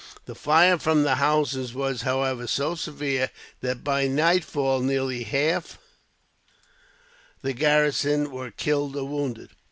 The fire from the houses was, however, so severe, that by nightfall nearly half the garrison were killed or wounded.